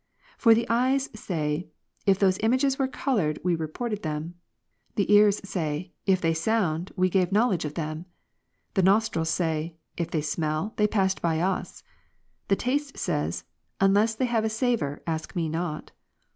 For the eyes say, "if those images were coloured, we reported of them." The ears say, " if they sound, we gave knowledge of them." The nostrils say, " if they smell, they passed by us." The taste says, " unless they have a savour, ask me not."